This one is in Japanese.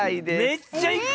めっちゃいく！